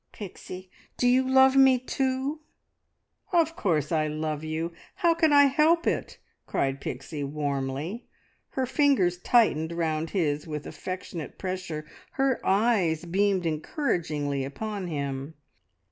... Pixie, do you love me too?" "Of course I love you. How could I help it?" cried Pixie warmly. Her fingers tightened round his with affectionate pressure, her eyes beamed encouragingly upon him.